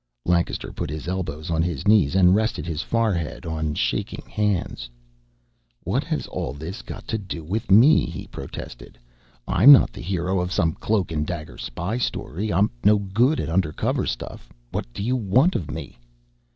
Lancaster put his elbows on his knees and rested his forehead on shaking hands. "What has all this got to do with me?" he protested. "I'm not the hero of some cloak and dagger spy story. I'm no good at undercover stuff what do you want of me?"